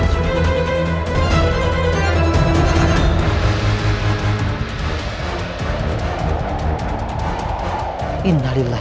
kau face id setelah berubah